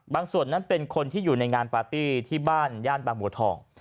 บางส่วนนั้นเป็นคนที่อยู่ในงานปาร์ตี้ที่บ้านบ้านประหมู่ทอง